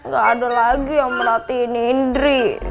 gak ada lagi yang merhatiin ndri